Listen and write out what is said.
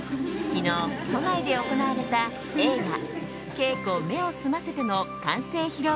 昨日、都内で行われた映画「ケイコ目を澄ませて」の完成披露